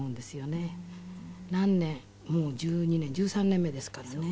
何年もう１２年１３年目ですからね。